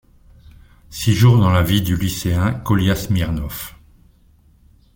Six jours dans la vie du lycéen Kolia Smirnov.